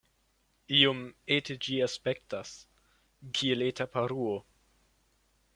Iom ete ĝi aspektas, kiel eta paruo.